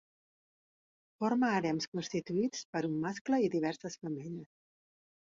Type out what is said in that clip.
Forma harems constituïts per un mascle i diverses femelles.